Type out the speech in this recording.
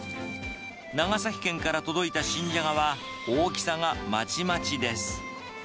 長崎県から届いた新ジャガは、大きさがまちまちです。